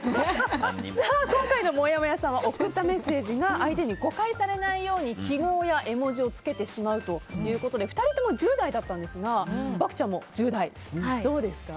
今回のもやもやさんは送ったメッセージが相手に誤解されないように記号や絵文字を付けてしまうということで２人とも１０代だったんですが獏ちゃんも１０代、どうですか。